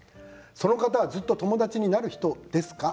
その方はずっと友達になる人ですか？